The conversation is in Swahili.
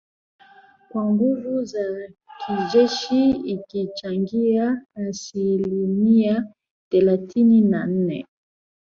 kwa nguvu za kijeshi ikichangia asilimia thelathini na nne